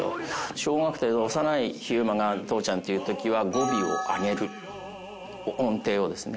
小学生の幼い飛雄馬が「父ちゃん」って言う時は語尾を上げる音程をですね。